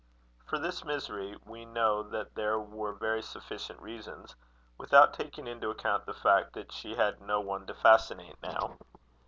For this misery we know that there were very sufficient reasons, without taking into account the fact that she had no one to fascinate now.